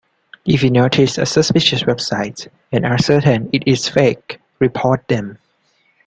If you notice a suspicious website and are certain it is fake, report them.